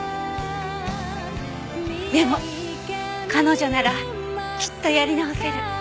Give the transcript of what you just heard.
でも彼女ならきっとやり直せる。